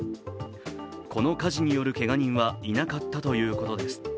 この火事によるけが人はいなかったということです。